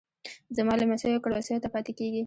زما لمسیو کړوسیو ته پاتیږي